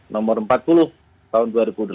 nomor empat puluh tahun dua ribu delapan